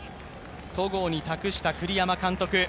戸郷に託した栗山監督。